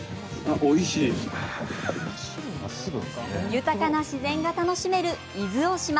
豊かな自然が楽しめる伊豆大島。